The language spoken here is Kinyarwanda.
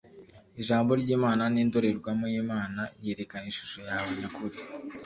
ijambo ry'Imana ni indorerwamo y'Imana yerekana ishusho yawe nyakuri